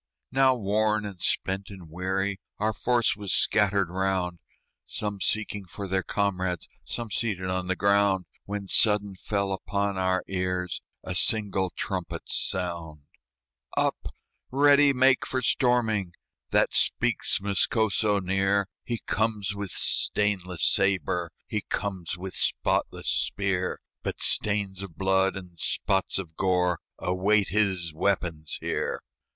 Now worn and spent and weary, Our force was scattered round, Some seeking for their comrades, Some seated on the ground, When sudden fell upon our ears A single trumpet's sound. "Up! ready make for storming!" That speaks Moscoso near; He comes with stainless sabre, He comes with spotless spear; But stains of blood and spots of gore Await his weapons here.